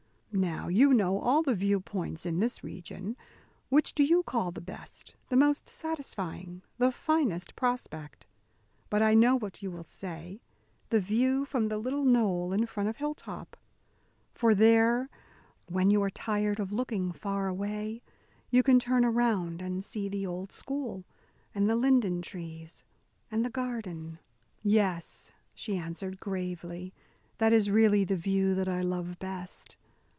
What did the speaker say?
Now, you know all the view points in this region. Which do you call the best, the most satisfying, the finest prospect? But I know what you will say: the view from the little knoll in front of Hilltop. For there, when you are tired of looking far away, you can turn around and see the old school, and the linden trees, and the garden." "Yes," she answered gravely, "that is really the view that I love best.